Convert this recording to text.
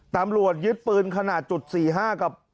ตำรวจยึดปืนขนาดจุด๔๕กับ